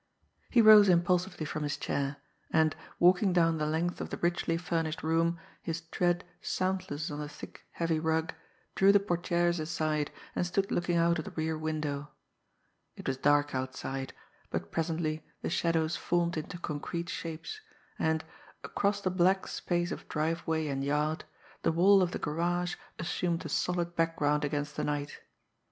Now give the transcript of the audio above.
He rose impulsively from his chair, and, walking down the length of the richly furnished room, his tread soundless on the thick, heavy rug, drew the portières aside, and stood looking out of the rear window; It was dark outside, but presently the shadows formed into concrete shapes, and, across the black space of driveway and yard, the wall of the garage assumed a solid background against the night.